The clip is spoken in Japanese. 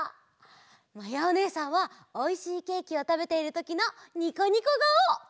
まやおねえさんはおいしいケーキをたべているときのニコニコがお！